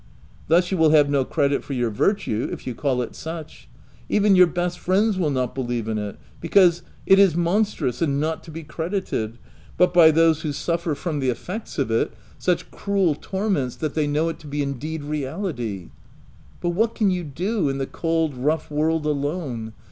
Thus you will have no credit for your virtue (if you call it such) : even your best friends will not believe in it ; because, it is monstrous, and not to be credited— but bv those who suffer from 42 THE TENANT the effects of it, such cruel torments that they know it to be indeed reality — But what can you do in the cold, rough w 7 orld alone